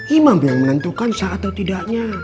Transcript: imam yang menentukan sah atau tidaknya